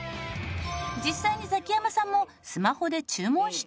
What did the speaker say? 実際にザキヤマさんもスマホで注文してみる事に。